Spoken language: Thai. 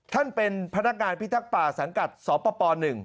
ท่านเป็นพนักงานพิทักษ์ป่าสังกัดสป๑